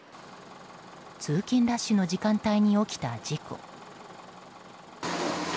通勤ラッシュの時間帯に起きた事故。